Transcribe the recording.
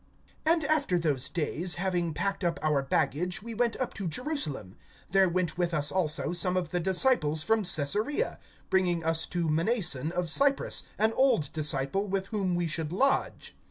(15)And after those days, having packed up our baggage, we went up to Jerusalem. (16)There went with us also some of the disciples from Caesarea, bringing us to Mnason of Cyprus, an old disciple, with whom we should lodge.